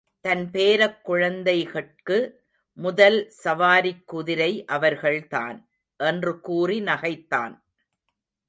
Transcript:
தன் பேரக் குழந்தைகட்கு முதல் சவாரிக் குதிரை அவர்கள்தான் — என்று கூறி நகைத்தான்.